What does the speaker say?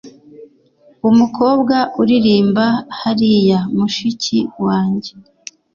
umukobwa uririmba hariya mushiki wanjye